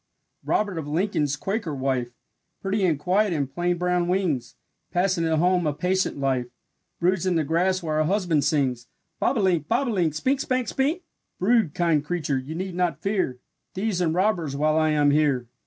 Robert of Lincoln's Quaker wife, Pretty and quiet in plain brown wings, Passing at home a patient life, Broods in the grass while her husband sings: "Bobolink, bob o link, Spink, spank, spink; Brood, kind creature, you need not fear Thieves and robbers while I am here!